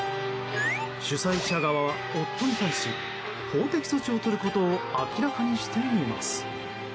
主催者側は夫に対し法的措置をとることを明らかにしています。